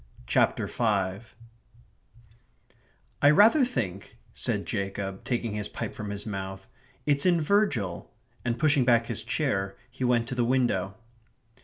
CHAPTER FIVE "I rather think," said Jacob, taking his pipe from his mouth, "it's in Virgil," and pushing back his chair, he went to the window.